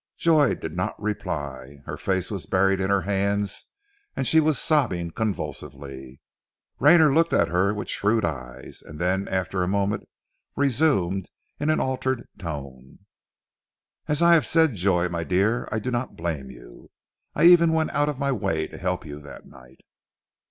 Joy did not reply. Her face was buried in her hands and she was sobbing convulsively. Rayner looked at her with shrewd eyes, then after a moment resumed in an altered tone "As I have said, Joy, my dear, I do not blame you; I even went out of my way to help you that night."